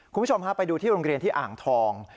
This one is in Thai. คุณผู้ชมฮะไปดูที่โรงเรียนที่อ่างทอง